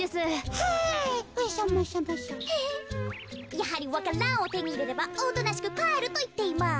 やはりわか蘭をてにいれればおとなしくかえるといっています。